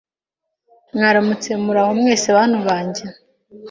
Mwaramutse, muraho, mwese bantu banjye